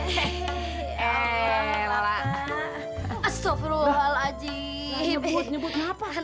nyebut nyebut ngapain